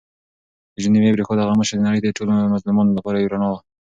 د جنوبي افریقا دغه مشر د نړۍ د ټولو مظلومانو لپاره یو رڼا وه.